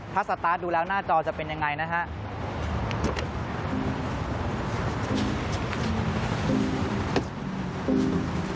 ถ้าสตาร์ทดูแล้วหน้าจอจะเป็นยังไงนะครับ